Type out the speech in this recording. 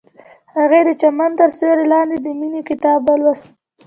هغې د چمن تر سیوري لاندې د مینې کتاب ولوست.